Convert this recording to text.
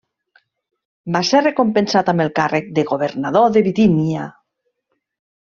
Va ser recompensat amb el càrrec de governador de Bitínia.